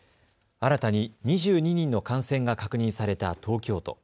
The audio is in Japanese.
新たに２２人の感染が確認された東京都。